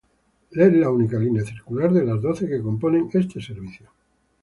Es la única línea circular de las doce que componen este servicio.